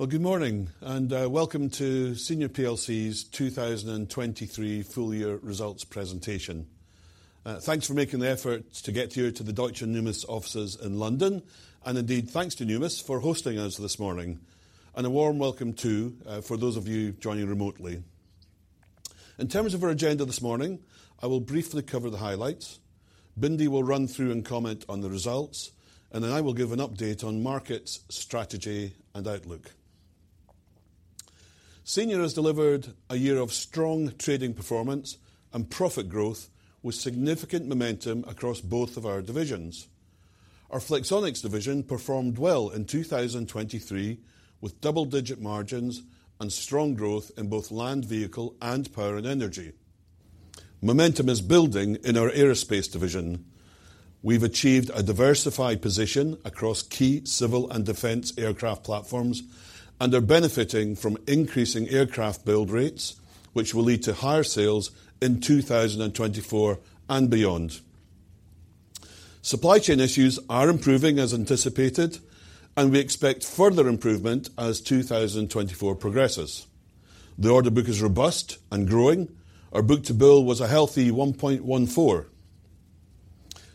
Well, good morning, and welcome to Senior plc's 2023 full year results presentation. Thanks for making the effort to get here to the Deutsche Numis offices in London, and indeed, thanks to Numis for hosting us this morning. And a warm welcome, too, for those of you joining remotely. In terms of our agenda this morning, I will briefly cover the highlights, Bindi will run through and comment on the results, and then I will give an update on markets, strategy, and outlook. Senior has delivered a year of strong trading performance and profit growth, with significant momentum across both of our divisions. Our Flexonics division performed well in 2023, with double-digit margins and strong growth in both land vehicle and power and energy. Momentum is building in our aerospace division. We've achieved a diversified position across key civil and defense aircraft platforms and are benefiting from increasing aircraft build rates, which will lead to higher sales in 2024 and beyond. Supply chain issues are improving as anticipated, and we expect further improvement as 2024 progresses. The order book is robust and growing. Our book-to-bill was a healthy 1.14.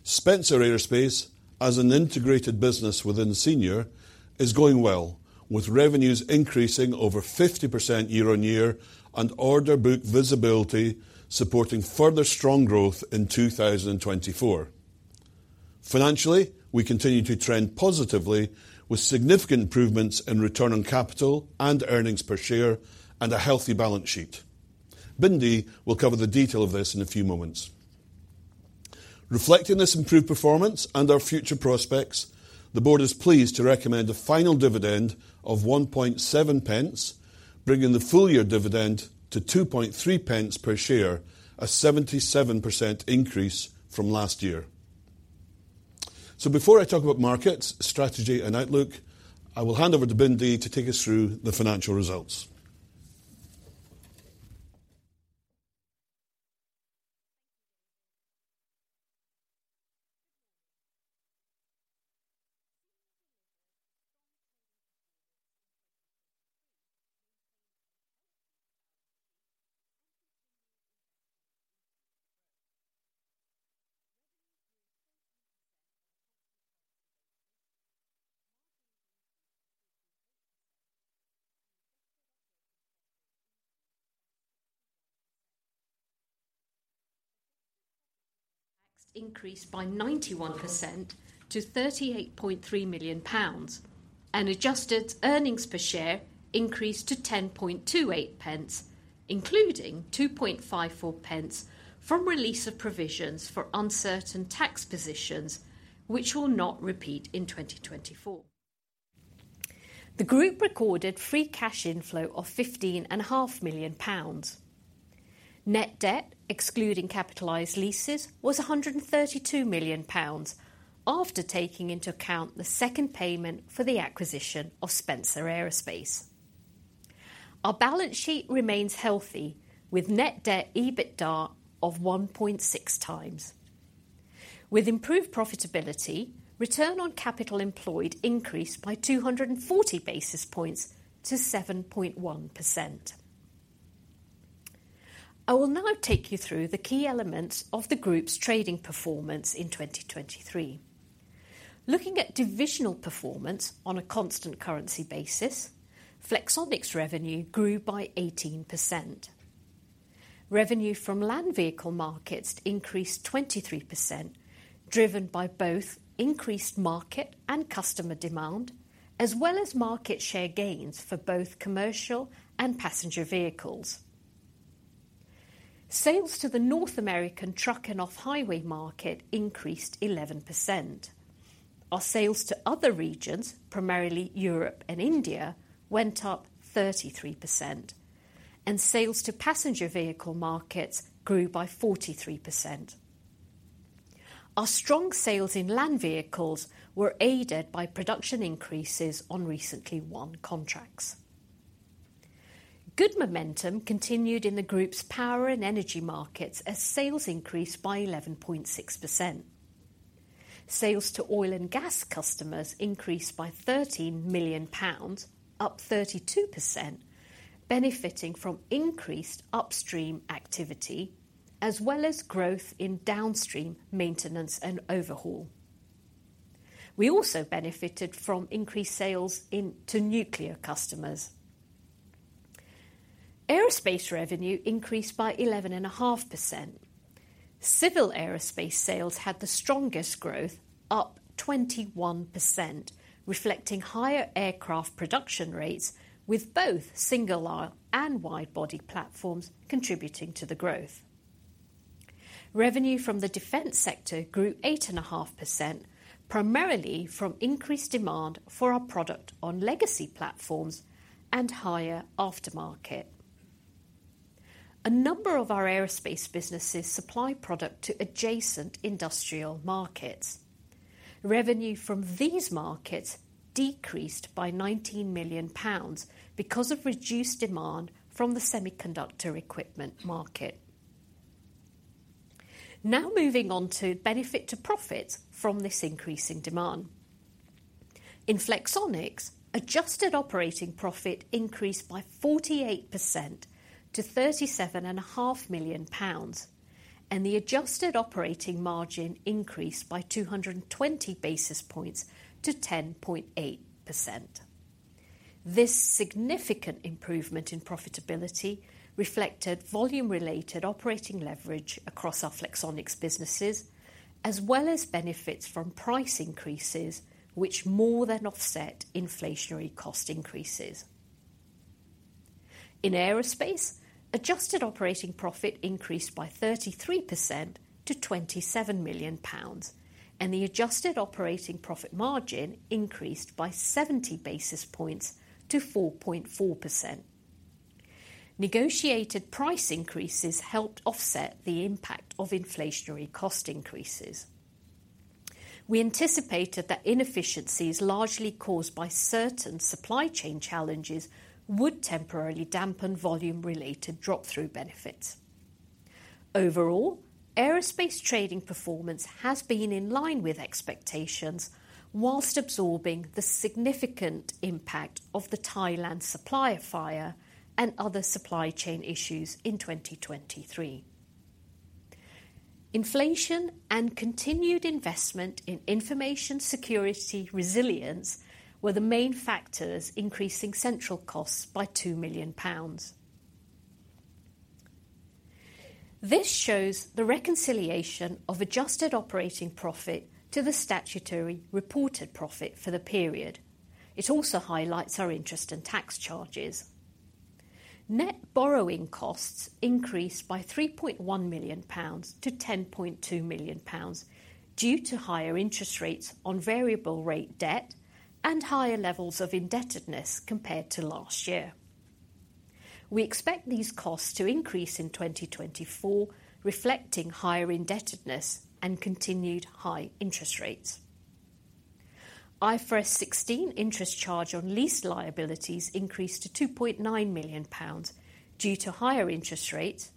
Spencer Aerospace, as an integrated business within Senior, is going well, with revenues increasing over 50% year-on-year and order book visibility supporting further strong growth in 2024. Financially, we continue to trend positively with significant improvements in return on capital and earnings per share and a healthy balance sheet. Bindi will cover the detail of this in a few moments. Reflecting this improved performance and our future prospects, the board is pleased to recommend a final dividend of 0.017, bringing the full year dividend to 0.023 per share, a 77% increase from last year. Before I talk about markets, strategy, and outlook, I will hand over to Bindi to take us through the financial results. Thank you, David. Good morning. Senior delivered strong trading performance in 2023, maintaining a healthy balance sheet and continued investment in future growth. Revenues grew 20% on a constant currency basis, margins increased to 58%, and adjusted earnings per share increased by 61%. Profit after tax increased by 91% to GBP 38.3 million, and adjusted earnings per share increased to GBP 0.1028, including 0.0254 from release of provisions for uncertain tax positions, which will not repeat in 2024. The group recorded free cash inflow of 15.5 million pounds. Net debt, excluding capitalized leases, was 132 million pounds, after taking into account the second payment for the acquisition of Spencer Aerospace. Our balance sheet remains healthy, with net debt EBITDA of 1.6x. With improved profitability, return on capital employed increased by 240 basis points to 7.1%. I will now take you through the key elements of the group's trading performance in 2023. Looking at divisional performance on a constant currency basis, Flexonics revenue grew by 18%. Revenue from land vehicle markets increased 23%, driven by both increased market and customer demand, as well as market share gains for both commercial and passenger vehicles. Sales to the North American truck and off-highway market increased 11%. Our sales to other regions, primarily Europe and India, went up 33%, and sales to passenger vehicle markets grew by 43%. Our strong sales in land vehicles were aided by production increases on recently won contracts. Good momentum continued in the group's power and energy markets as sales increased by 11.6%. Sales to oil and gas customers increased by 13 million pounds, up 32%, benefiting from increased upstream activity as well as growth in downstream maintenance and overhaul. We also benefited from increased sales in... to nuclear customers. Aerospace revenue increased by 11.5%. Civil aerospace sales had the strongest growth, up 21%, reflecting higher aircraft production rates, with both single-aisle and wide-body platforms contributing to the growth. Revenue from the defense sector grew 8.5%, primarily from increased demand for our product on legacy platforms and higher aftermarket. A number of our aerospace businesses supply product to adjacent industrial markets. Revenue from these markets decreased by 19 million pounds because of reduced demand from the semiconductor equipment market.... Now moving on to benefit to profit from this increase in demand. In Flexonics, adjusted operating profit increased by 48% to 37.5 million pounds, and the adjusted operating margin increased by 220 basis points to 10.8%. This significant improvement in profitability reflected volume-related operating leverage across our Flexonics businesses, as well as benefits from price increases, which more than offset inflationary cost increases. In Aerospace, adjusted operating profit increased by 33% to 27 million pounds, and the adjusted operating profit margin increased by 70 basis points to 4.4%. Negotiated price increases helped offset the impact of inflationary cost increases. We anticipated that inefficiencies, largely caused by certain supply chain challenges, would temporarily dampen volume-related drop-through benefits. Overall, Aerospace trading performance has been in line with expectations, whilst absorbing the significant impact of the Thailand supplier fire and other supply chain issues in 2023. Inflation and continued investment in information security resilience were the main factors, increasing central costs by 2 million pounds. This shows the reconciliation of adjusted operating profit to the statutory reported profit for the period. It also highlights our interest in tax charges. Net borrowing costs increased by 3.1 million pounds to 10.2 million pounds, due to higher interest rates on variable rate debt and higher levels of indebtedness compared to last year. We expect these costs to increase in 2024, reflecting higher indebtedness and continued high interest rates. IFRS 16 interest charge on lease liabilities increased to 2.9 million pounds due to higher interest rates,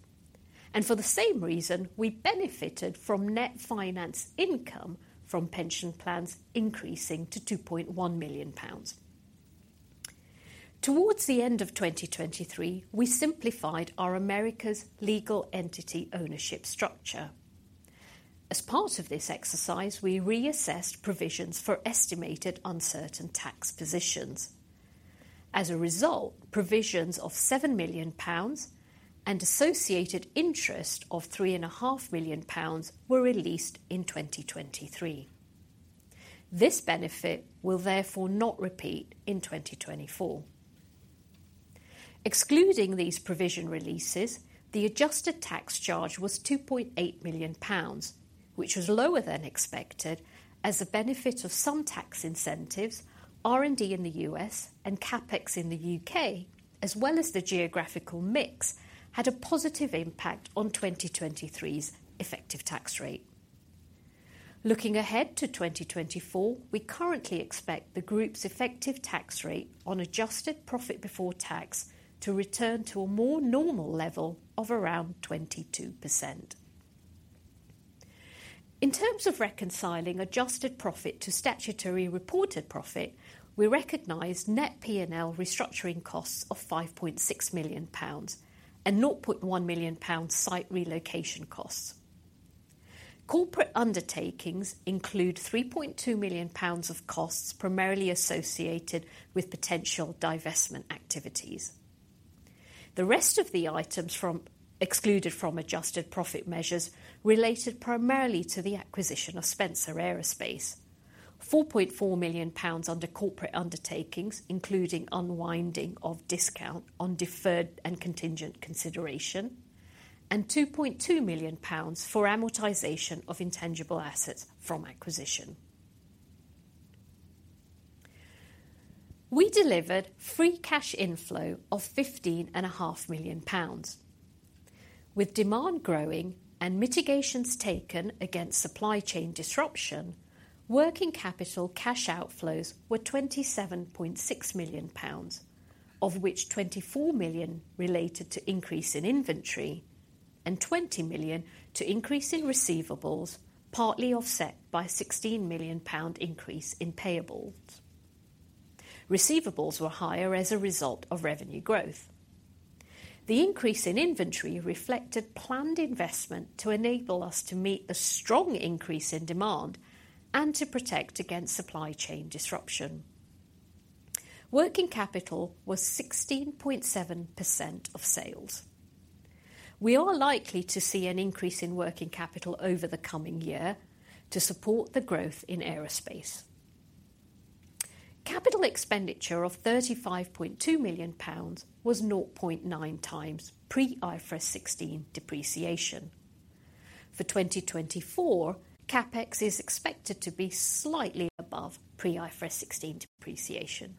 and for the same reason, we benefited from net finance income from pension plans increasing to 2.1 million pounds. Towards the end of 2023, we simplified our America's legal entity ownership structure. As part of this exercise, we reassessed provisions for estimated uncertain tax positions. As a result, provisions of 7 million pounds and associated interest of 3.5 million pounds were released in 2023. This benefit will therefore not repeat in 2024. Excluding these provision releases, the adjusted tax charge was 2.8 million pounds, which was lower than expected, as the benefit of some tax incentives, R&D in the U.S. and CapEx in the U.K., as well as the geographical mix, had a positive impact on 2023's effective tax rate. Looking ahead to 2024, we currently expect the group's effective tax rate on adjusted profit before tax to return to a more normal level of around 22%. In terms of reconciling adjusted profit to statutory reported profit, we recognize net P&L restructuring costs of 5.6 million pounds and 0.1 million pounds site relocation costs. Corporate undertakings include 3.2 million pounds of costs, primarily associated with potential divestment activities. The rest of the items excluded from adjusted profit measures related primarily to the acquisition of Spencer Aerospace: 4.4 million pounds under corporate undertakings, including unwinding of discount on deferred and contingent consideration, and 2.2 million pounds for amortization of intangible assets from acquisition. We delivered free cash inflow of 15.5 million pounds. With demand growing and mitigations taken against supply chain disruption, working capital cash outflows were 27.6 million pounds, of which 24 million related to increase in inventory and 20 million to increase in receivables, partly offset by a 16 million pound increase in payables. Receivables were higher as a result of revenue growth. The increase in inventory reflected planned investment to enable us to meet the strong increase in demand and to protect against supply chain disruption. Working capital was 16.7% of sales. We are likely to see an increase in working capital over the coming year to support the growth in Aerospace. Capital expenditure of GBP 35.2 million was 0.9x pre-IFRS 16 depreciation. For 2024, CapEx is expected to be slightly above pre-IFRS 16 depreciation.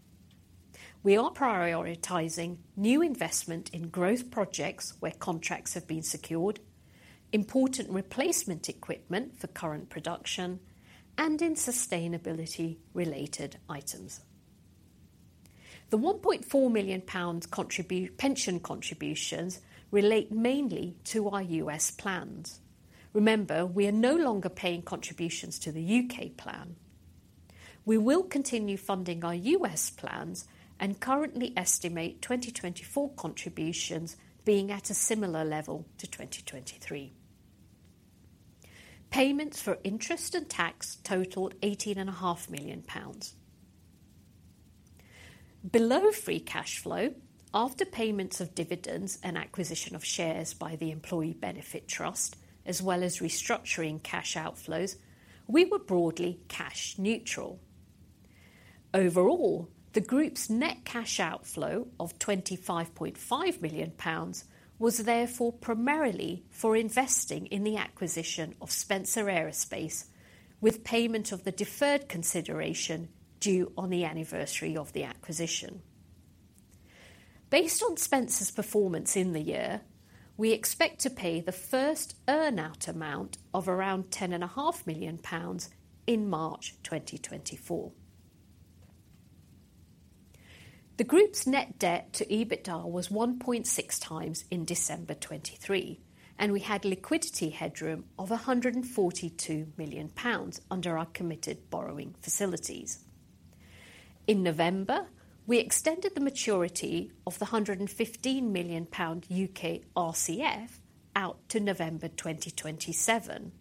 We are prioritizing new investment in growth projects where contracts have been secured, important replacement equipment for current production, and in sustainability-related items. The 1.4 million pounds pension contributions relate mainly to our U.S. plans. Remember, we are no longer paying contributions to the U.K. plan. We will continue funding our U.S. plans and currently estimate 2024 contributions being at a similar level to 2023. Payments for interest and tax totaled 18.5 million pounds. Below free cash flow, after payments of dividends and acquisition of shares by the Employee Benefit Trust, as well as restructuring cash outflows, we were broadly cash neutral. Overall, the group's net cash outflow of 25.5 million pounds was therefore primarily for investing in the acquisition of Spencer Aerospace, with payment of the deferred consideration due on the anniversary of the acquisition. Based on Spencer's performance in the year, we expect to pay the first earn-out amount of around 10.5 million pounds in March 2024. The group's net debt to EBITDA was 1.6x in December 2023, and we had liquidity headroom of 142 million pounds under our committed borrowing facilities. In November, we extended the maturity of the 115 million pound U.K. RCF out to November 2027,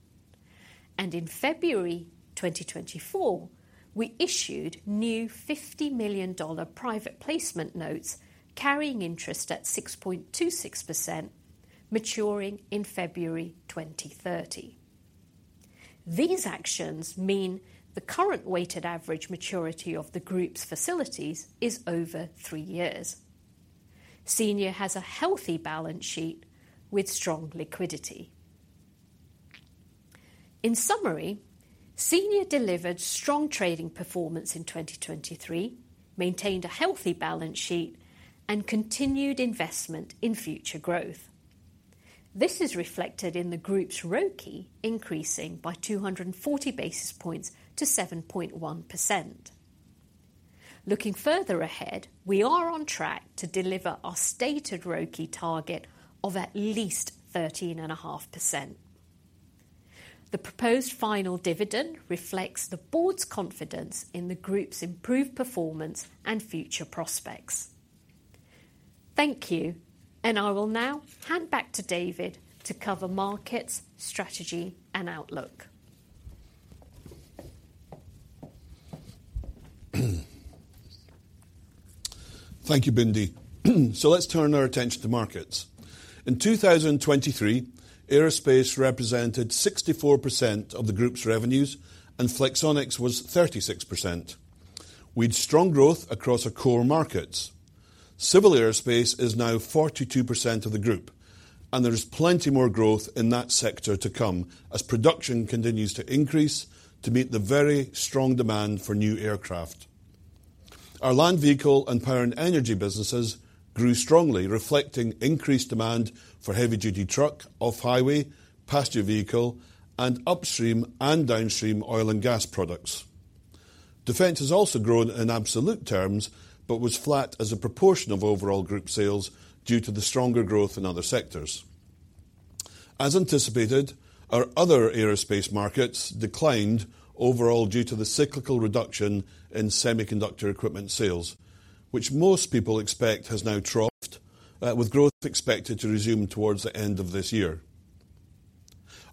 and in February 2024, we issued new $50 million private placement notes carrying interest at 6.26%, maturing in February 2030. These actions mean the current weighted average maturity of the group's facilities is over three years. Senior has a healthy balance sheet with strong liquidity. In summary, Senior delivered strong trading performance in 2023, maintained a healthy balance sheet, and continued investment in future growth. This is reflected in the group's ROCE increasing by 240 basis points to 7.1%. Looking further ahead, we are on track to deliver our stated ROCE target of at least 13.5%. The proposed final dividend reflects the board's confidence in the group's improved performance and future prospects. Thank you, and I will now hand back to David to cover markets, strategy, and outlook. Thank you, Bindi. Let's turn our attention to markets. In 2023, Aerospace represented 64% of the group's revenues, and Flexonics was 36%. We had strong growth across our core markets. Civil Aerospace is now 42% of the group, and there is plenty more growth in that sector to come as production continues to increase to meet the very strong demand for new aircraft. Our land vehicle and power & energy businesses grew strongly, reflecting increased demand for heavy-duty truck, off-highway, passenger vehicle, and upstream and downstream oil and gas products. Defense has also grown in absolute terms, but was flat as a proportion of overall group sales due to the stronger growth in other sectors. As anticipated, our other aerospace markets declined overall due to the cyclical reduction in semiconductor equipment sales, which most people expect has now troughed, with growth expected to resume towards the end of this year.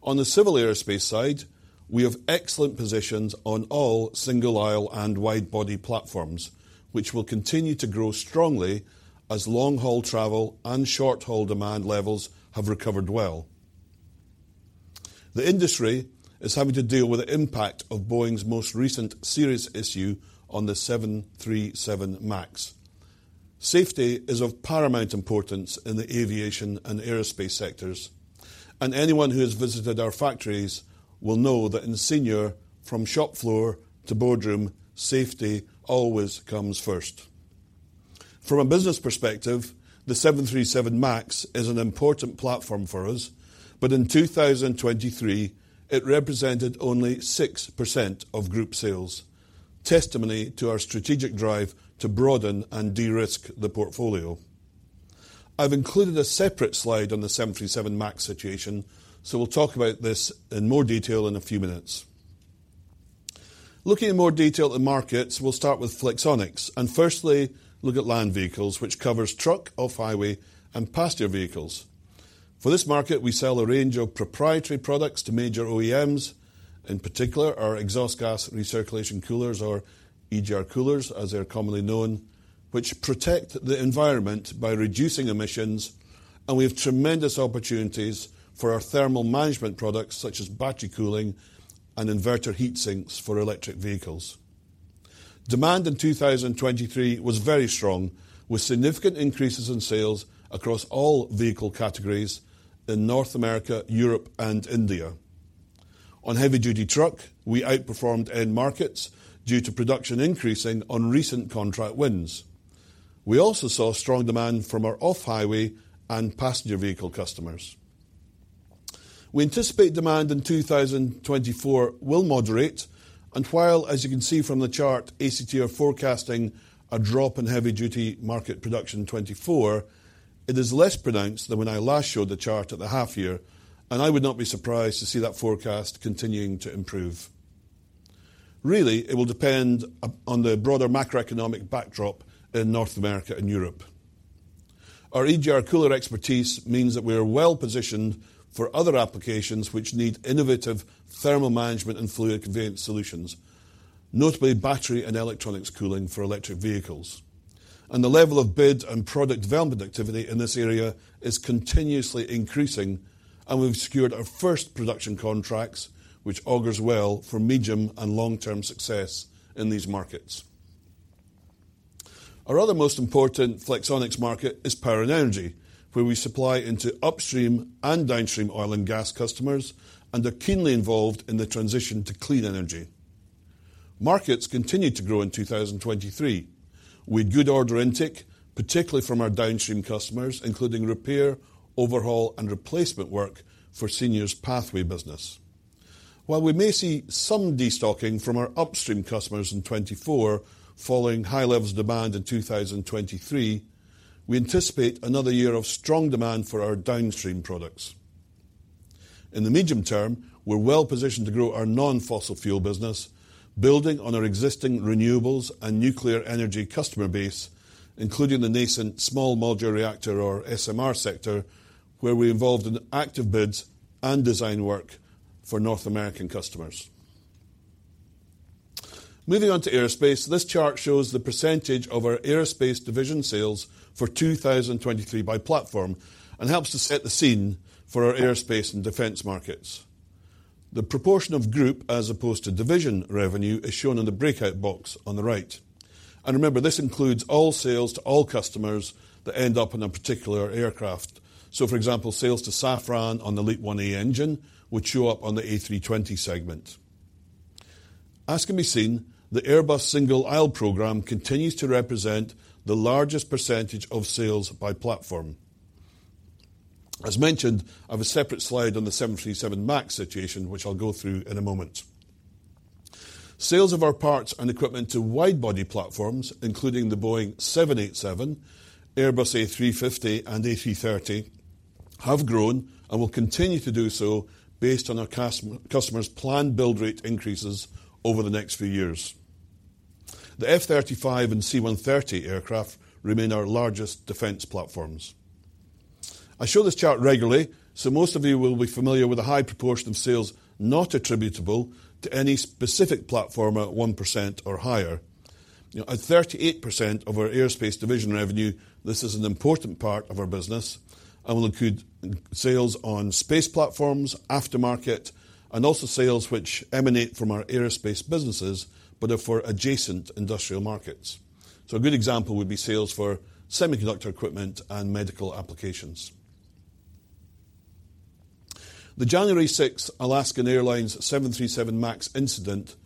On the civil aerospace side, we have excellent positions on all single-aisle and wide-body platforms, which will continue to grow strongly as long-haul travel and short-haul demand levels have recovered well. The industry is having to deal with the impact of Boeing's most recent serious issue on the 737 MAX. Safety is of paramount importance in the aviation and aerospace sectors, and anyone who has visited our factories will know that in Senior, from shop floor to boardroom, safety always comes first. From a business perspective, the 737 MAX is an important platform for us, but in 2023, it represented only 6% of group sales, testimony to our strategic drive to broaden and de-risk the portfolio. I've included a separate slide on the 737 MAX situation, so we'll talk about this in more detail in a few minutes. Looking in more detail at the markets, we'll start with Flexonics, and firstly, look at land vehicles, which covers truck, off-highway, and passenger vehicles. For this market, we sell a range of proprietary products to major OEMs, in particular, our exhaust gas recirculation coolers, or EGR coolers, as they're commonly known, which protect the environment by reducing emissions, and we have tremendous opportunities for our thermal management products, such as battery cooling and inverter heat sinks for electric vehicles. Demand in 2023 was very strong, with significant increases in sales across all vehicle categories in North America, Europe, and India. On heavy-duty truck, we outperformed end markets due to production increasing on recent contract wins. We also saw strong demand from our off-highway and passenger vehicle customers.... We anticipate demand in 2024 will moderate, and while, as you can see from the chart, ACT are forecasting a drop in heavy-duty market production in 2024, it is less pronounced than when I last showed the chart at the half year, and I would not be surprised to see that forecast continuing to improve. Really, it will depend upon the broader macroeconomic backdrop in North America and Europe. Our EGR cooler expertise means that we are well-positioned for other applications which need innovative thermal management and fluid conveyance solutions, notably battery and electronics cooling for electric vehicles. The level of bid and product development activity in this area is continuously increasing, and we've secured our first production contracts, which augurs well for medium and long-term success in these markets. Our other most important Flexonics market is power and energy, where we supply into upstream and downstream oil and gas customers and are keenly involved in the transition to clean energy. Markets continued to grow in 2023, with good order intake, particularly from our downstream customers, including repair, overhaul, and replacement work for Senior's Pathway business. While we may see some destocking from our upstream customers in 2024, following high levels of demand in 2023, we anticipate another year of strong demand for our downstream products. In the medium term, we're well positioned to grow our non-fossil fuel business, building on our existing renewables and nuclear energy customer base, including the nascent small modular reactor or SMR sector, where we're involved in active bids and design work for North American customers. Moving on to aerospace, this chart shows the percentage of our Aerospace division sales for 2023 by platform and helps to set the scene for our aerospace and defense markets. The proportion of group, as opposed to division revenue, is shown in the breakout box on the right. Remember, this includes all sales to all customers that end up in a particular aircraft. For example, sales to Safran on the LEAP-1A engine would show up on the A320 segment. As can be seen, the Airbus single-aisle program continues to represent the largest percentage of sales by platform. As mentioned, I have a separate slide on the 737 MAX situation, which I'll go through in a moment. Sales of our parts and equipment to wide-body platforms, including the Boeing 787, Airbus A350, and A330, have grown and will continue to do so based on our customers' planned build rate increases over the next few years. The F-35 and C-130 aircraft remain our largest defense platforms. I show this chart regularly, so most of you will be familiar with the high proportion of sales not attributable to any specific platform at 1% or higher. You know, at 38% of our Aerospace division revenue, this is an important part of our business and will include sales on space platforms, aftermarket, and also sales which emanate from our aerospace businesses, but are for adjacent industrial markets. So a good example would be sales for semiconductor equipment and medical applications. The January sixth Alaska Airlines 737 MAX incident,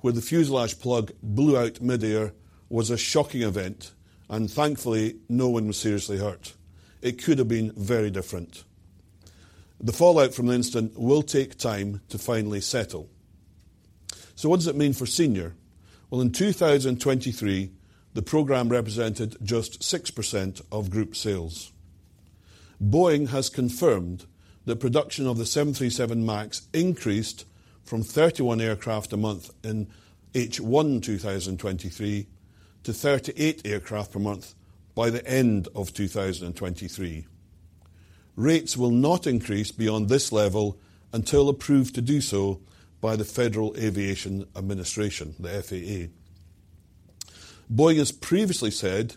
where the fuselage plug blew out midair, was a shocking event, and thankfully, no one was seriously hurt. It could have been very different. The fallout from the incident will take time to finally settle. So what does it mean for Senior? Well, in 2023, the program represented just 6% of group sales. Boeing has confirmed that production of the 737 MAX increased from 31 aircraft a month in H1 2023 to 38 aircraft per month by the end of 2023. Rates will not increase beyond this level until approved to do so by the Federal Aviation Administration, the FAA. Boeing has previously said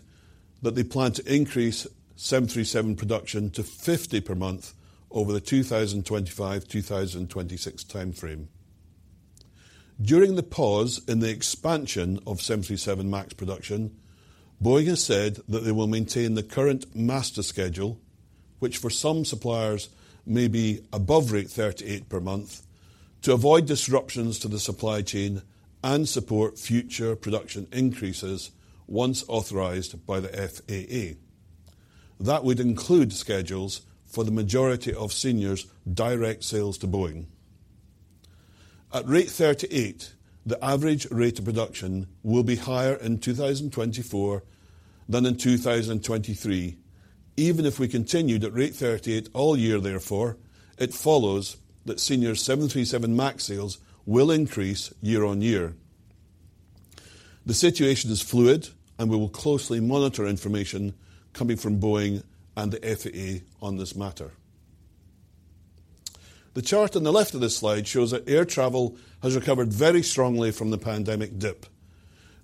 that they plan to increase 737 production to 50 per month over the 2025/2026 time frame. During the pause in the expansion of 737 MAX production, Boeing has said that they will maintain the current master schedule, which for some suppliers may be above rate 38 per month, to avoid disruptions to the supply chain and support future production increases once authorized by the FAA. That would include schedules for the majority of Senior's direct sales to Boeing. At rate 38, the average rate of production will be higher in 2024 than in 2023. Even if we continued at rate 38 all year, therefore, it follows that Senior's 737 MAX sales will increase year on year. The situation is fluid, and we will closely monitor information coming from Boeing and the FAA on this matter. The chart on the left of this slide shows that air travel has recovered very strongly from the pandemic dip.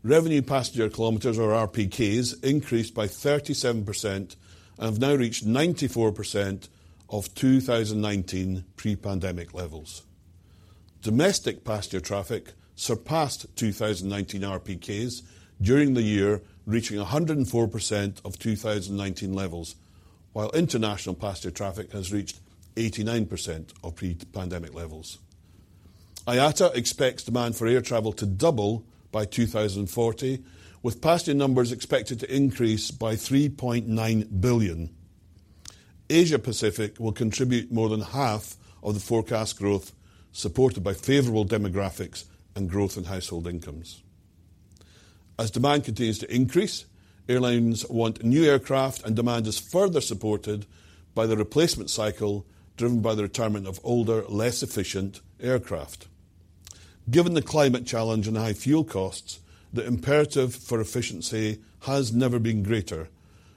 Revenue passenger kilometers, or RPKs, increased by 37% and have now reached 94% of 2019 pre-pandemic levels. Domestic passenger traffic surpassed 2019 RPKs during the year, reaching 104% of 2019 levels, while international passenger traffic has reached 89% of pre-pandemic levels.... IATA expects demand for air travel to double by 2040, with passenger numbers expected to increase by 3.9 billion. Asia Pacific will contribute more than half of the forecast growth, supported by favorable demographics and growth in household incomes. As demand continues to increase, airlines want new aircraft, and demand is further supported by the replacement cycle, driven by the retirement of older, less efficient aircraft. Given the climate challenge and high fuel costs, the imperative for efficiency has never been greater,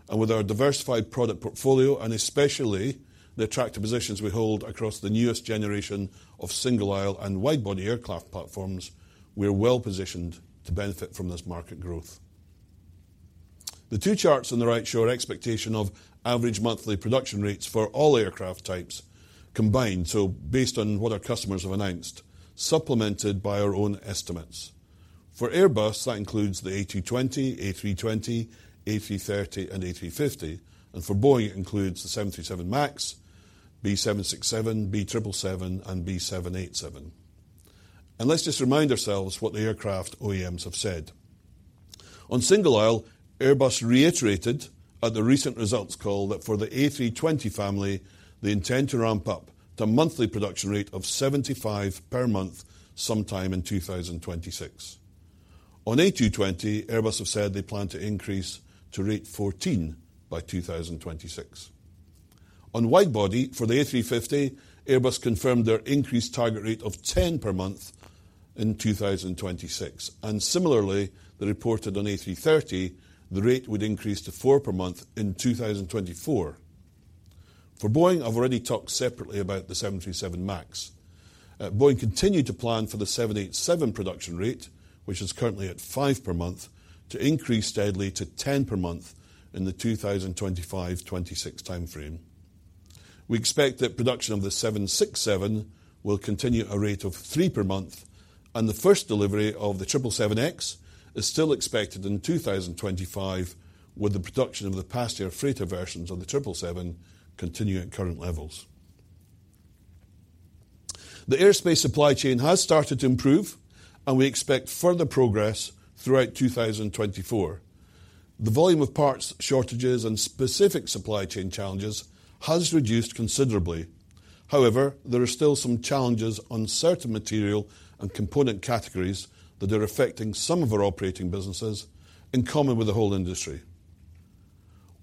and with our diversified product portfolio, and especially the attractive positions we hold across the newest generation of single-aisle and wide-body aircraft platforms, we are well positioned to benefit from this market growth. The two charts on the right show our expectation of average monthly production rates for all aircraft types combined, so based on what our customers have announced, supplemented by our own estimates. For Airbus, that includes the A220, A320, A330, and A350, and for Boeing, it includes the 737 MAX, 767, 777, and 787. Let's just remind ourselves what the aircraft OEMs have said. On single aisle, Airbus reiterated at the recent results call that for the A320 family, they intend to ramp up to a monthly production rate of 75 per month sometime in 2026. On A220, Airbus have said they plan to increase to rate 14 by 2026. On wide-body, for the A350, Airbus confirmed their increased target rate of 10 per month in 2026, and similarly, they reported on A330, the rate would increase to four per month in 2024. For Boeing, I've already talked separately about the 737 MAX. Boeing continued to plan for the 787 production rate, which is currently at five per month, to increase steadily to 10 per month in the 2025-2026 time frame. We expect that production of the 767 will continue at a rate of three per month, and the first delivery of the 777X is still expected in 2025, with the production of the passenger freighter versions of the 777 continuing at current levels. The aerospace supply chain has started to improve, and we expect further progress throughout 2024. The volume of parts shortages and specific supply chain challenges has reduced considerably. However, there are still some challenges on certain material and component categories that are affecting some of our operating businesses in common with the whole industry.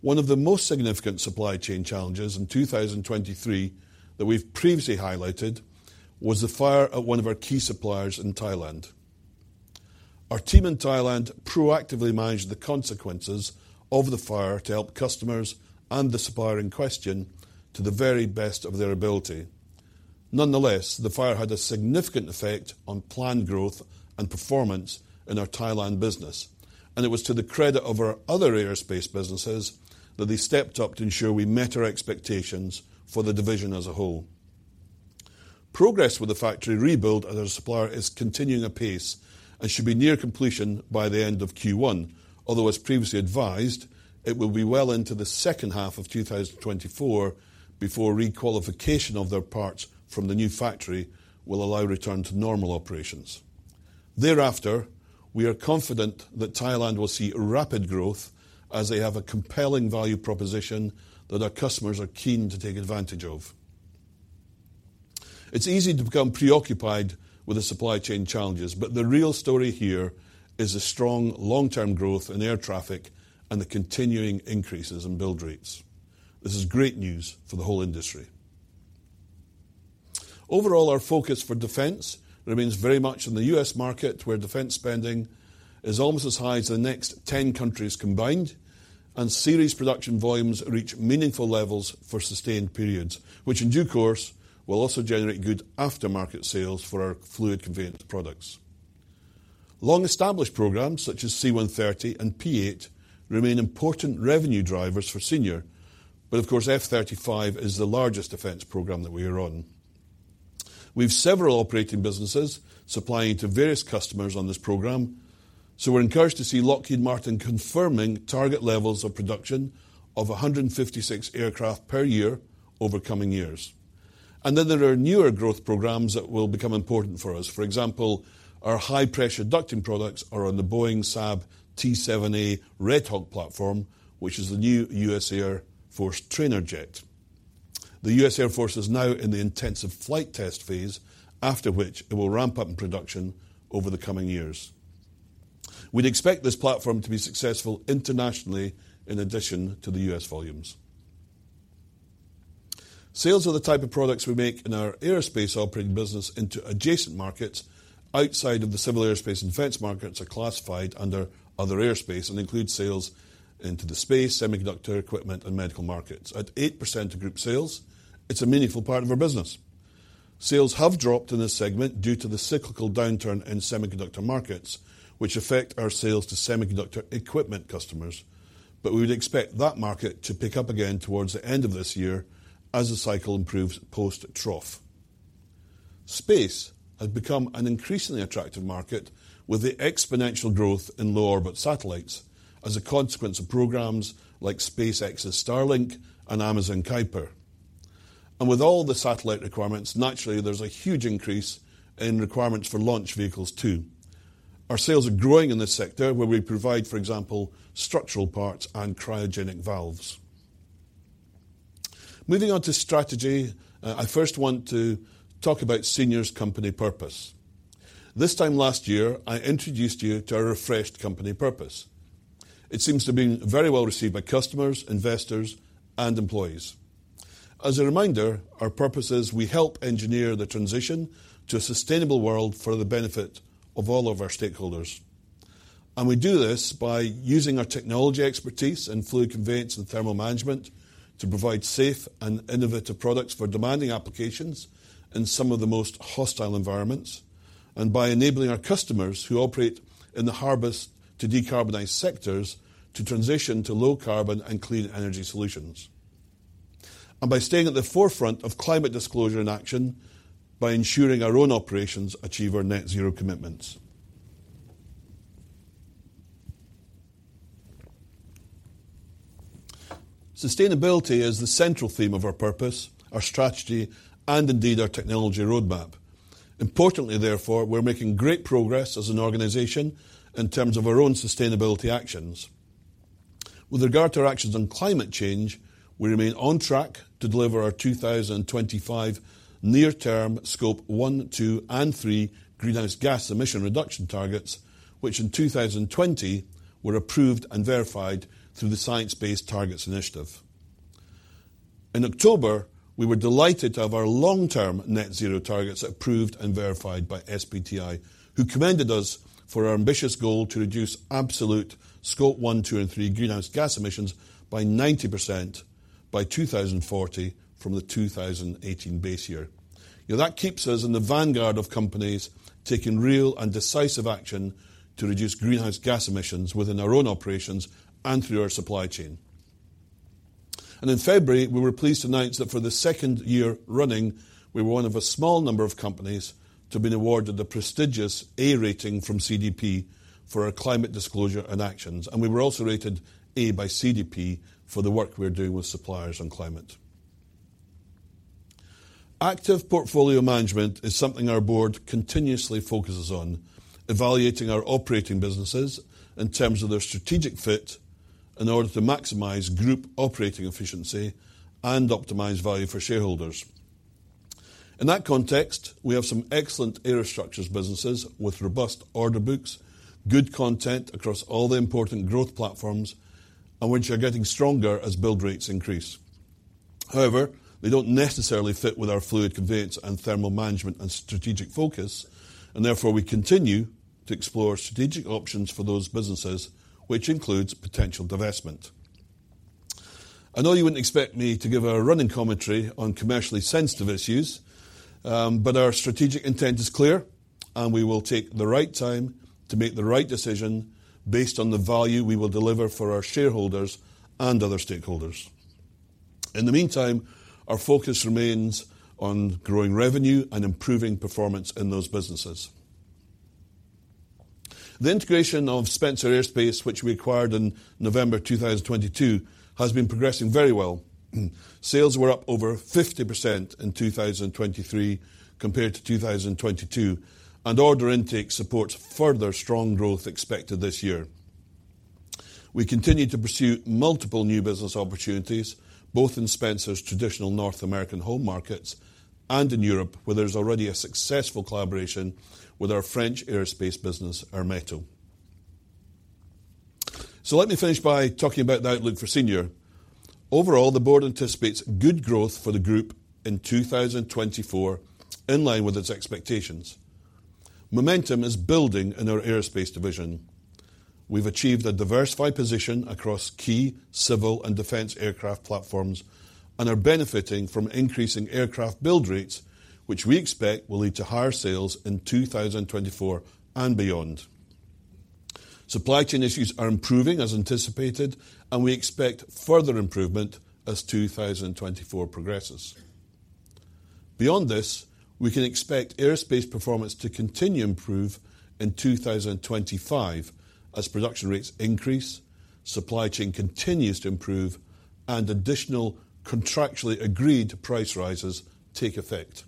One of the most significant supply chain challenges in 2023 that we've previously highlighted was the fire at one of our key suppliers in Thailand. Our team in Thailand proactively managed the consequences of the fire to help customers and the supplier in question to the very best of their ability. Nonetheless, the fire had a significant effect on planned growth and performance in our Thailand business, and it was to the credit of our other aerospace businesses that they stepped up to ensure we met our expectations for the division as a whole. Progress with the factory rebuild of their supplier is continuing apace and should be near completion by the end of Q1, although as previously advised, it will be well into the second half of 2024 before re-qualification of their parts from the new factory will allow a return to normal operations. Thereafter, we are confident that Thailand will see rapid growth as they have a compelling value proposition that our customers are keen to take advantage of. It's easy to become preoccupied with the supply chain challenges, but the real story here is the strong long-term growth in air traffic and the continuing increases in build rates. This is great news for the whole industry. Overall, our focus for defense remains very much in the U.S. market, where defense spending is almost as high as the next 10 countries combined, and series production volumes reach meaningful levels for sustained periods, which in due course will also generate good aftermarket sales for our fluid conveyance products. Long-established programs such as C-130 and P-8 remain important revenue drivers for Senior, but of course, F-35 is the largest defense program that we are on. We have several operating businesses supplying to various customers on this program, so we're encouraged to see Lockheed Martin confirming target levels of production of 156 aircraft per year over coming years. Then there are newer growth programs that will become important for us. For example, our high-pressure ducting products are on the Boeing Saab T-7A Red Hawk platform, which is the new U.S. Air Force trainer jet. The U.S. Air Force is now in the intensive flight test phase, after which it will ramp up in production over the coming years. We'd expect this platform to be successful internationally in addition to the U.S. volumes. Sales of the type of products we make in our aerospace operating business into adjacent markets outside of the civil, aerospace, and defense markets are classified under other aerospace and include sales into the space, semiconductor equipment, and medical markets. At 8% of group sales, it's a meaningful part of our business. Sales have dropped in this segment due to the cyclical downturn in semiconductor markets, which affect our sales to semiconductor equipment customers, but we would expect that market to pick up again towards the end of this year as the cycle improves post-trough. Space has become an increasingly attractive market, with the exponential growth in low orbit satellites as a consequence of programs like SpaceX's Starlink and Amazon Kuiper... and with all the satellite requirements, naturally, there's a huge increase in requirements for launch vehicles, too. Our sales are growing in this sector, where we provide, for example, structural parts and cryogenic valves. Moving on to strategy, I first want to talk about Senior's company purpose. This time last year, I introduced you to our refreshed company purpose. It seems to have been very well received by customers, investors, and employees. As a reminder, our purpose is: we help engineer the transition to a sustainable world for the benefit of all of our stakeholders. We do this by using our technology expertise in fluid conveyance and thermal management to provide safe and innovative products for demanding applications in some of the most hostile environments, and by enabling our customers, who operate in the hardest-to-decarbonize sectors, to transition to low carbon and clean energy solutions, and by staying at the forefront of climate disclosure and action, by ensuring our own operations achieve our net zero commitments. Sustainability is the central theme of our purpose, our strategy, and indeed, our technology roadmap. Importantly, therefore, we're making great progress as an organization in terms of our own sustainability actions. With regard to our actions on climate change, we remain on track to deliver our 2025 near-term Scope 1, 2, and 3 greenhouse gas emission reduction targets, which in 2020 were approved and verified through the Science Based Targets initiative. In October, we were delighted to have our long-term net zero targets approved and verified by SBTi, who commended us for our ambitious goal to reduce absolute Scope 1, 2, and 3 greenhouse gas emissions by 90% by 2040 from the 2018 base year. Now, that keeps us in the vanguard of companies taking real and decisive action to reduce greenhouse gas emissions within our own operations and through our supply chain. In February, we were pleased to announce that for the second year running, we were one of a small number of companies to have been awarded the prestigious A rating from CDP for our climate disclosure and actions, and we were also rated A by CDP for the work we're doing with suppliers on climate. Active portfolio management is something our board continuously focuses on, evaluating our operating businesses in terms of their strategic fit in order to maximize group operating efficiency and optimize value for shareholders. In that context, we have some excellent aerostructures businesses with robust order books, good content across all the important growth platforms, and which are getting stronger as build rates increase. However, they don't necessarily fit with our fluid conveyance and thermal management and strategic focus, and therefore, we continue to explore strategic options for those businesses, which includes potential divestment. I know you wouldn't expect me to give a running commentary on commercially sensitive issues, but our strategic intent is clear, and we will take the right time to make the right decision, based on the value we will deliver for our shareholders and other stakeholders. In the meantime, our focus remains on growing revenue and improving performance in those businesses. The integration of Spencer Aerospace, which we acquired in November 2022, has been progressing very well. Sales were up over 50% in 2023 compared to 2022, and order intake supports further strong growth expected this year. We continue to pursue multiple new business opportunities, both in Spencer's traditional North American home markets and in Europe, where there's already a successful collaboration with our French aerospace business, Ermeto. So let me finish by talking about the outlook for Senior. Overall, the board anticipates good growth for the group in 2024, in line with its expectations. Momentum is building in our aerospace division. We've achieved a diversified position across key civil and defense aircraft platforms and are benefiting from increasing aircraft build rates, which we expect will lead to higher sales in 2024 and beyond. Supply chain issues are improving, as anticipated, and we expect further improvement as 2024 progresses. Beyond this, we can expect aerospace performance to continue to improve in 2025 as production rates increase, supply chain continues to improve, and additional contractually agreed price rises take effect.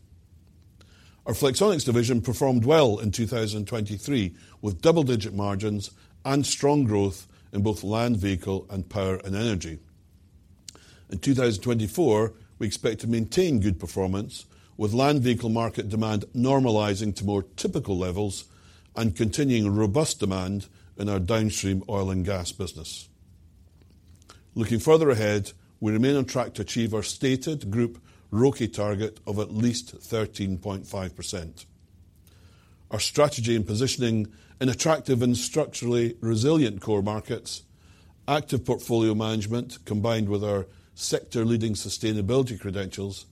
Our Flexonics division performed well in 2023, with double-digit margins and strong growth in both land, vehicle, and power and energy. In 2024, we expect to maintain good performance, with land vehicle market demand normalizing to more typical levels and continuing robust demand in our downstream oil and gas business. Looking further ahead, we remain on track to achieve our stated group ROCE target of at least 13.5%. Our strategy and positioning in attractive and structurally resilient core markets, active portfolio management, combined with our sector-leading sustainability credentials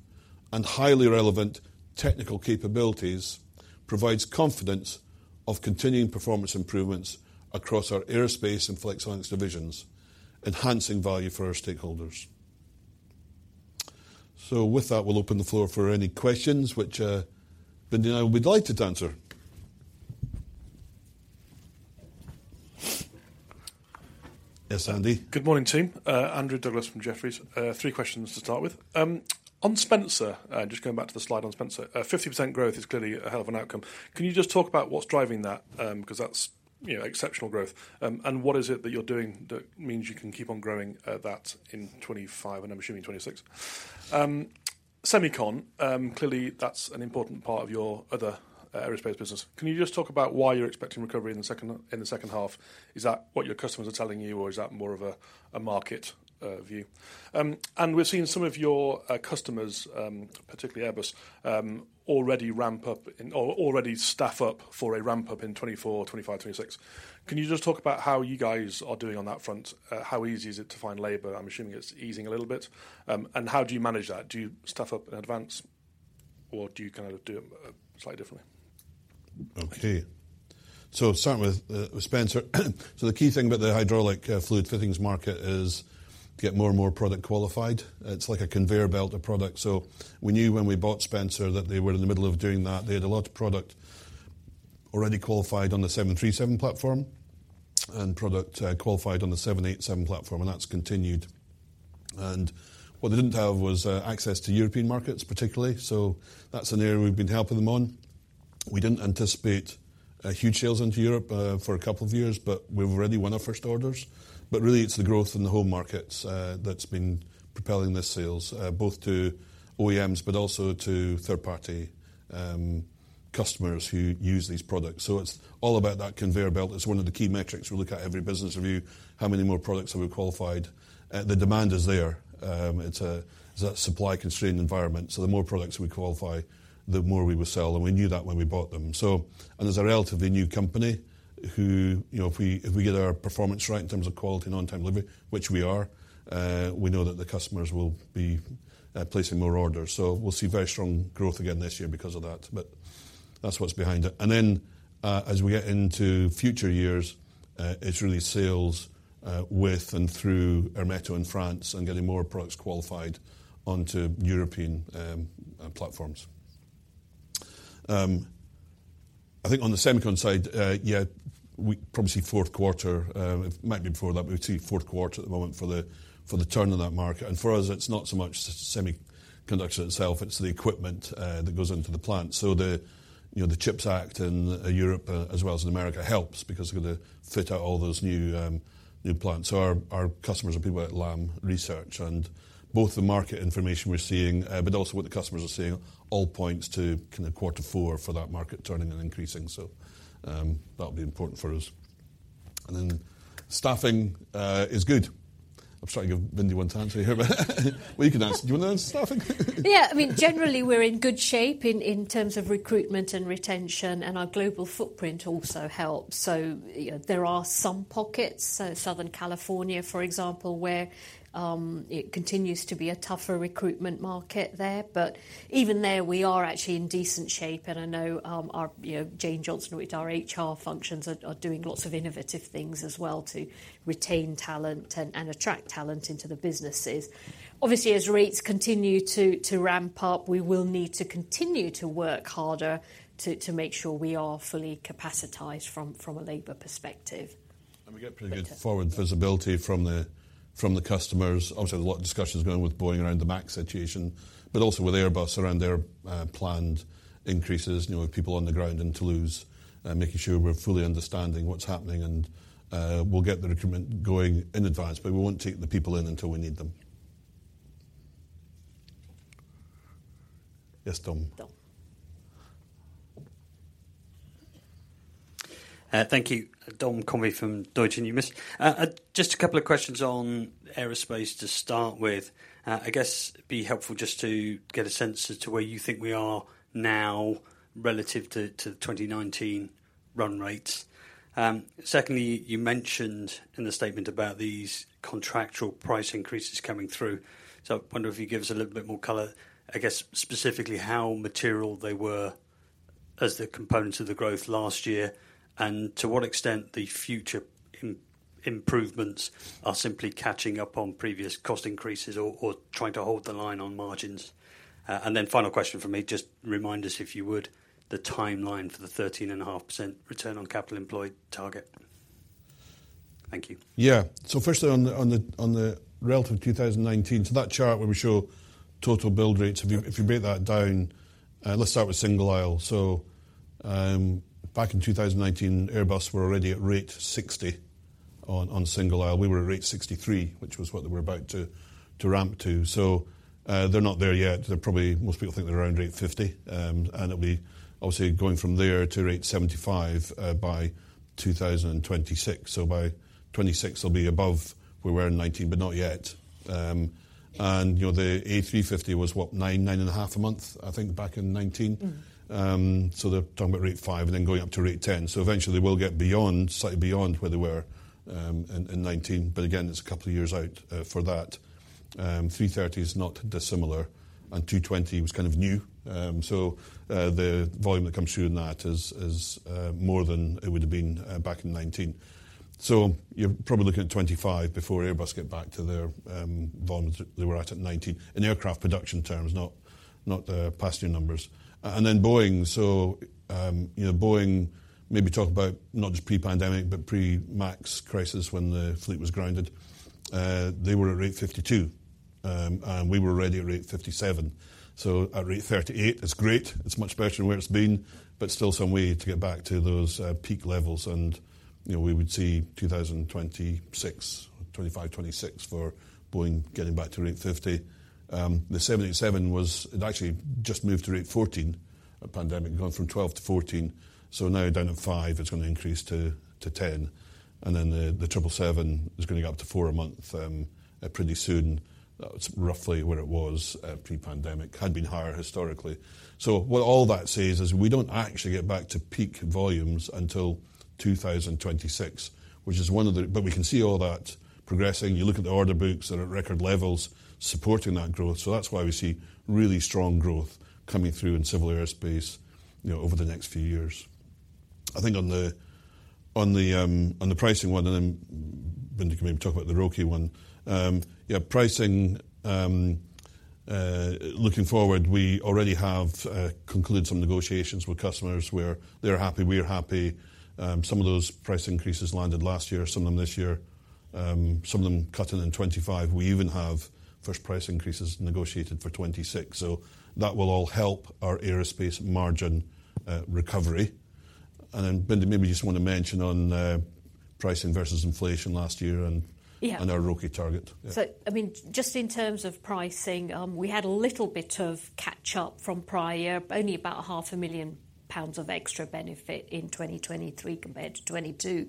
and highly relevant technical capabilities, provides confidence of continuing performance improvements across our aerospace and Flexonics divisions, enhances value for our stakeholders. So with that, we'll open the floor for any questions, which, Bindi and I would be delighted to answer.... Yes, Andy? Good morning, team. Andrew Douglas from Jefferies. Three questions to start with. On Spencer, just going back to the slide on Spencer, 50% growth is clearly a hell of an outcome. Can you just talk about what's driving that? Because that's, you know, exceptional growth. And what is it that you're doing that means you can keep on growing that in 25, and I'm assuming 26? Semicon, clearly, that's an important part of your other aerospace business. Can you just talk about why you're expecting recovery in the second, in the second half? Is that what your customers are telling you, or is that more of a market view? And we've seen some of your customers, particularly Airbus, already ramp up or already staff up for a ramp up in 2024, 2025, 2026. Can you just talk about how you guys are doing on that front? How easy is it to find labor? I'm assuming it's easing a little bit. And how do you manage that? Do you staff up in advance, or do you kind of do it slightly differently? Okay. So starting with, with Spencer. So the key thing about the hydraulic fluid fittings market is get more and more product qualified. It's like a conveyor belt of product. So we knew when we bought Spencer that they were in the middle of doing that. They had a lot of product already qualified on the 737 platform, and product qualified on the 787 platform, and that's continued. And what they didn't have was access to European markets, particularly, so that's an area we've been helping them on. We didn't anticipate huge sales into Europe for a couple of years, but we've already won our first orders. But really, it's the growth in the home markets that's been propelling the sales both to OEMs, but also to third-party customers who use these products. So it's all about that conveyor belt. It's one of the key metrics we look at every business review. How many more products have we qualified? The demand is there. It's a supply-constrained environment, so the more products we qualify, the more we will sell, and we knew that when we bought them. So... And as a relatively new company, who, you know, if we get our performance right in terms of quality and on-time delivery, which we are, we know that the customers will be placing more orders. So we'll see very strong growth again this year because of that, but that's what's behind it. And then, as we get into future years, it's really sales with and through Ermeto in France and getting more products qualified onto European platforms. I think on the semicon side, yeah, we probably see fourth quarter, it might be before that, but we see fourth quarter at the moment for the, for the turn of that market. And for us, it's not so much semiconductor itself, it's the equipment, that goes into the plant. So the, you know, the CHIPS Act in Europe as well as in America helps because we've got to fit out all those new, new plants. So our, our customers are people at Lam Research and both the market information we're seeing, but also what the customers are seeing, all points to kind of quarter four for that market turning and increasing. So, that'll be important for us. And then, staffing, is good. I'm sorry to give Bindi one to answer here, but well, you can ask. Do you want to answer staffing? Yeah, I mean, generally, we're in good shape in terms of recruitment and retention, and our global footprint also helps. So, you know, there are some pockets, Southern California, for example, where it continues to be a tougher recruitment market there, but even there, we are actually in decent shape, and I know, you know, Jane Johnston, with our HR functions, are doing lots of innovative things as well to retain talent and attract talent into the businesses. Obviously, as rates continue to ramp up, we will need to continue to work harder to make sure we are fully capacitized from a labor perspective. We get pretty good- But- Forward visibility from the, from the customers. Obviously, a lot of discussions going with Boeing around the MAX situation, but also with Airbus around their planned increases, you know, with people on the ground in Toulouse, and making sure we're fully understanding what's happening, and we'll get the recruitment going in advance, but we won't take the people in until we need them. Yes, Dom. Dom. Thank you. Dom Conway from Deutsche Numis. Just a couple of questions on aerospace to start with. I guess it'd be helpful just to get a sense as to where you think we are now relative to the 2019 run rates. Secondly, you mentioned in the statement about these contractual price increases coming through. So I wonder if you could give us a little bit more color, I guess, specifically how material they were as the components of the growth last year, and to what extent the future improvements are simply catching up on previous cost increases or trying to hold the line on margins. And then final question from me, just remind us, if you would, the timeline for the 13.5% return on capital employed target. Thank you. Yeah. So firstly, on the relative 2019, so that chart where we show total build rates, if you break that down, let's start with single aisle. So, back in 2019, Airbus were already at rate 60 on single aisle. We were at rate 63, which was what they were about to ramp to. So, they're not there yet. They're probably... Most people think they're around rate 50, and it'll be obviously going from there to rate 75 by 2026. So by 2026, they'll be above where we were in 2019, but not yet. And, you know, the A350 was, what, 9, 9.5 a month, I think, back in 2019. Mm-hmm. So they're talking about rate five and then going up to rate 10. So eventually, they will get beyond, slightly beyond where they were in 2019. But again, it's a couple of years out for that. A330 is not dissimilar, and A220 was kind of new. The volume that comes through in that is more than it would have been back in 2019. So you're probably looking at 25 before Airbus get back to their volume that they were at in 2019, in aircraft production terms, not the passenger numbers. And then Boeing, you know, Boeing maybe talk about not just pre-pandemic, but pre-MAX crisis, when the fleet was grounded. They were at rate 52 and we were already at rate 57. So at rate 38, it's great. It's much better than where it's been, but still some way to get back to those peak levels. And, you know, we would see 2026, 2025, 2026 for Boeing getting back to rate 50. The 787 was-- it actually just moved to rate 14 at pandemic, gone from 12 to 14, so now down at 5, it's going to increase to, to 10. And then the, the 777 is going to go up to four a month, pretty soon. That's roughly where it was, pre-pandemic, had been higher historically. So what all that says is we don't actually get back to peak volumes until 2026, which is one of the... But we can see all that progressing. You look at the order books, they're at record levels, supporting that growth. So that's why we see really strong growth coming through in civil aerospace, you know, over the next few years. I think on the pricing one, and then Bindi can maybe talk about the ROCE one. Yeah, pricing, looking forward, we already have concluded some negotiations with customers where they're happy, we're happy. Some of those price increases landed last year, some of them this year, some of them cutting in 2025. We even have first price increases negotiated for 2026, so that will all help our aerospace margin recovery. And then, Bindi, maybe you just want to mention on pricing versus inflation last year and- Yeah. And our ROCE target. Yeah. So, I mean, just in terms of pricing, we had a little bit of catch-up from prior, only about 0.5 million pounds of extra benefit in 2023 compared to 2022.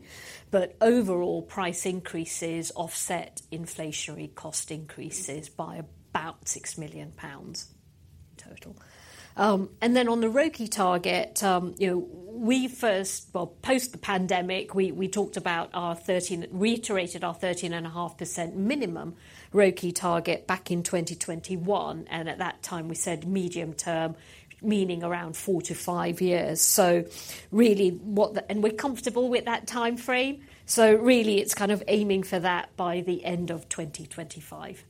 But overall, price increases offset inflationary cost increases by about 6 million pounds total. And then on the ROCE target, you know, Well, post the pandemic, we, we talked about our thirteen-- reiterated our 13.5% minimum ROCE target back in 2021, and at that time, we said medium term, meaning around four to five years. So really, what the... And we're comfortable with that time frame. So really, it's kind of aiming for that by the end of 2025.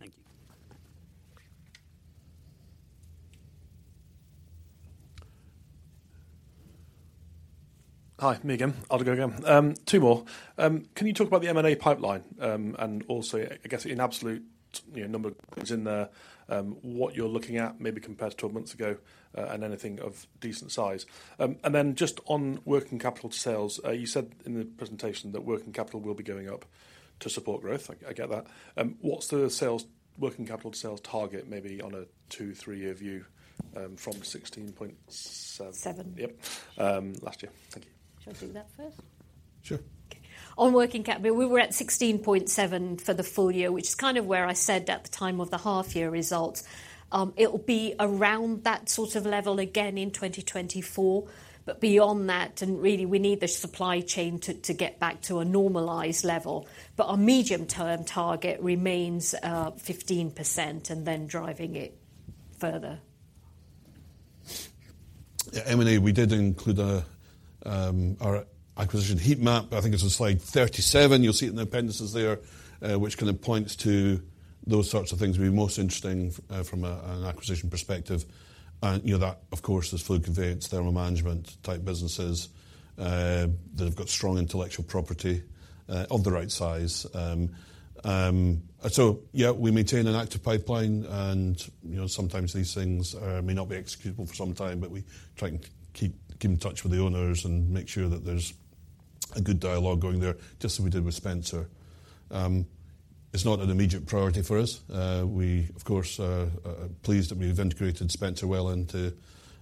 Thank you. Hi, me again. I'll go again. Two more. Can you talk about the M&A pipeline? And also, I guess, in absolute, you know, number is in there, what you're looking at, maybe compared to 12 months ago, and anything of decent size. And then just on working capital sales, you said in the presentation that working capital will be going up to support growth. I, I get that. What's the sales- working capital sales target, maybe on a two-three-year view, from 16.7? Seven. Yep, last year. Thank you. Should I do that first? Sure. On working cap, we were at 16.7 for the full year, which is kind of where I said at the time of the half-year results. It will be around that sort of level again in 2024, but beyond that, and really, we need the supply chain to get back to a normalized level. But our medium-term target remains, 15% and then driving it further. Yeah, M&A, we did include our acquisition heat map. I think it's on slide 37. You'll see it in the appendices there, which kind of points to those sorts of things will be most interesting from an acquisition perspective. And, you know, that, of course, there's fluid conveyance, thermal management type businesses that have got strong intellectual property of the right size. So yeah, we maintain an active pipeline and, you know, sometimes these things may not be executable for some time, but we try and keep in touch with the owners and make sure that there's a good dialogue going there, just as we did with Spencer. It's not an immediate priority for us. We, of course, are pleased that we've integrated Spencer well into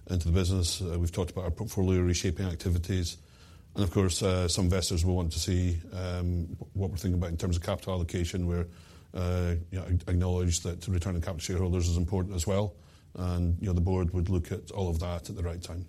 the business. We've talked about our portfolio reshaping activities, and of course, some investors will want to see what we're thinking about in terms of capital allocation, where you know, acknowledge that the return on capital shareholders is important as well. You know, the board would look at all of that at the right time.